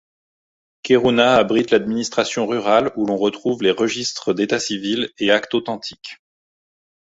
Kerouna abrite l'administration rurale où l'on retrouve les registres d'états civils et actes authentiques.